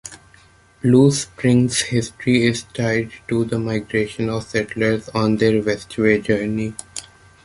Blue Springs' history is tied to the migration of settlers on their westward journey.